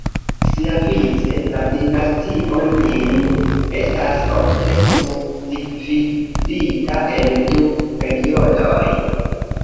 Siavice, la Dinastio Jin estas ofte subdividita en du periodoj.